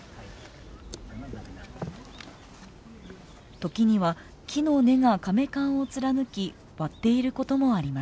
時には木の根がかめ棺を貫き割っていることもあります。